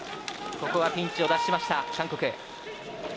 ここはピンチを脱しました、韓国。